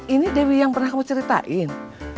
ini dewi yang pernah kamu ceritain